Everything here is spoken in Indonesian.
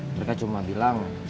mereka cuma bilang